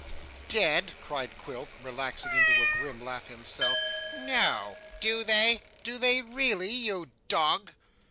'Dead!' cried Quilp, relaxing into a grim laugh himself. 'No. Do they? Do they really, you dog?